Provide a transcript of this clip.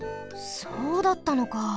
そうだったのか。